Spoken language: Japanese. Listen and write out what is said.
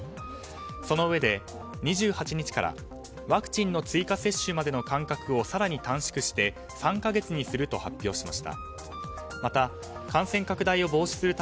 そのうえで２８日からワクチンの追加接種までの間隔を更に短縮して３か月にすると発表しました。